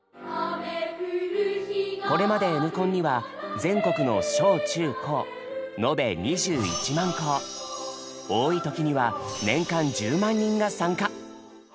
これまで「Ｎコン」には全国の小・中・高多い時には年間１０万人が参加。